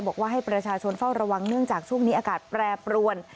บอกว่าให้ประชาชนเฝ้าระวังเนื่องจากช่วงนี้อากาศแปรปรวน